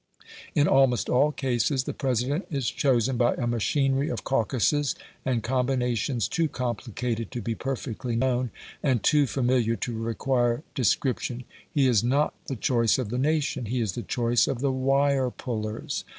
In almost all cases the President is chosen by a machinery of caucuses and combinations too complicated to be perfectly known, and too familiar to require description. He is not the choice of the nation, he is the choice of the wire pullers.